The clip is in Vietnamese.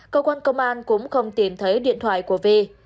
cơ quan công an cũng không tìm thấy điện thoại của vi